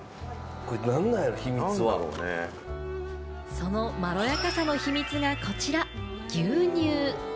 そのまろやかさの秘密がこちら、牛乳。